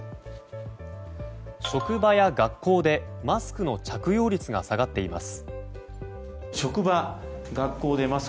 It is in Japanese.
職場や学校でマスクの着用率が下がっています。